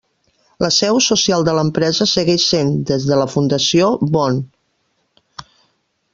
La seu social de l'empresa segueix sent, des de la fundació, Bonn.